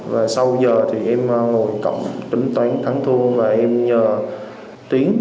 và sau giờ thì em ngồi cộng tính toán thắng thua và em nhờ tiến